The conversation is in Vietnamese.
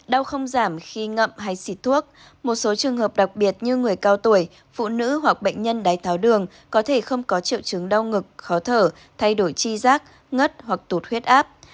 đau không giảm khi ngậm hay xịt thuốc một số trường hợp đặc biệt như người cao tuổi phụ nữ hoặc bệnh nhân đáy tháo đường có thể không có triệu chứng đau ngực khó thở thay đổi chi giác ngất hoặc tụt huyết áp